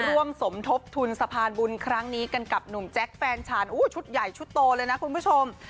ร่วมสมทบทุนสะพานบุญครั้งนี้กันกับหนุ่มแจ๊คแฟนฉันชุดใหญ่ชุดโตเลยนะคุณผู้ชม